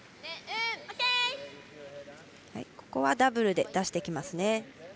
ここはダブルで出してきますね。